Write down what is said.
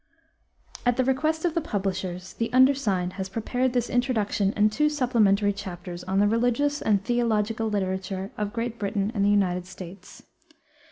At the request of the publishers the undersigned has prepared this Introduction and two Supplementary Chapters on the Religious and Theological Literature of Great Britain and the United States.